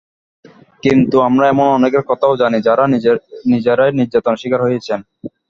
কিন্তু আমরা এমন অনেকের কথাও জানি, যাঁরা নিজেরাই নির্যাতনের শিকার হয়েছেন।